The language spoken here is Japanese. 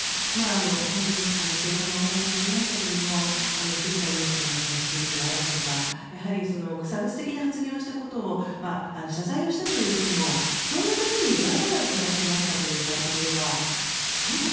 本当に瀬尾さんのお話にありましたけれども杉田水脈さんの話であるとかやはり差別的な発言をしたことを謝罪をしたといっても総務大臣に言われたから謝罪しましたという形ではそうなの？